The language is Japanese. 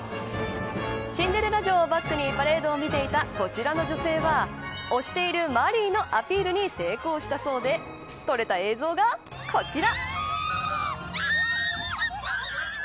シンデレラ城をバックにパレードを見ていたこちらの女性は推しているマリーのアピールに成功したそうで撮れた映像がこちら。